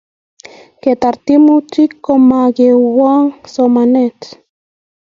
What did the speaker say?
Ketar tyemutik ko ma kewong' somanet